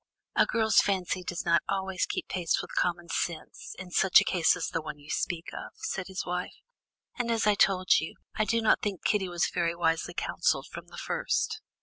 "A girl's fancy does not always keep pace with common sense, in such a case as the one you speak of," said his wife. "And as I told you, I do not think Kitty was very wisely counselled from the first."